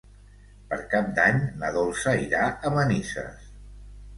Per Cap d'Any na Dolça irà a Manises.